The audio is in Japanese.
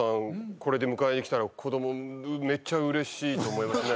これで迎えに来たら子供めっちゃ嬉しいと思いますね